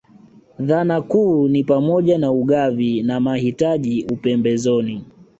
Dhana kuu ni pamoja na ugavi na mahitaji upembezoni